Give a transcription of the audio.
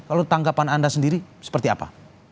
kalau tanggapan anda sendiri seperti apa